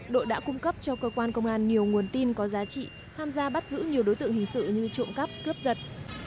đội đã cung cấp cho cơ quan công an nhiều nguồn tin có giá trị tham gia bắt giữ nhiều đối tượng hình sự như trộm cắp cướp giật